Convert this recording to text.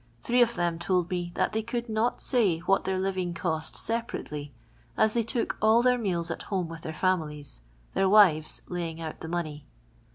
Three of them told me that they could not sny what their living cost separately, as they took all their meals at home with their families, their wives hiying out the money.